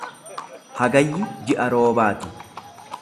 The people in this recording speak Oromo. Hagayyi ji'a roobaati.